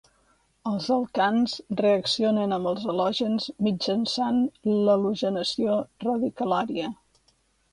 Els alcans reaccionen amb els halògens mitjançant l'halogenació radicalària.